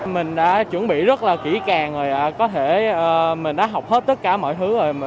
mình đã chuẩn bị rất là kỹ càng rồi ạ có thể mình đã học hết tất cả mọi thứ rồi